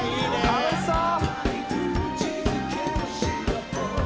「楽しそう！」